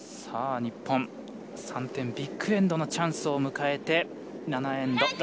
さあ、日本、３点ビッグエンドのチャンスを迎えて、７エンド。